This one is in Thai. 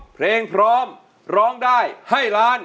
เพลงพร้อมร้องได้ให้ล้าน